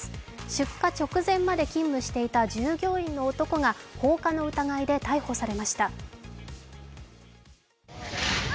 出火直前まで勤務していた従業員の男が放火の疑いで逮捕されました。